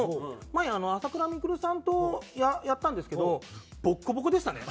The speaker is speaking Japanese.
前朝倉未来さんとやったんですけどボッコボコでしたね。